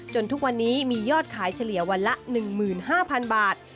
ทุกวันนี้มียอดขายเฉลี่ยวันละ๑๕๐๐๐บาท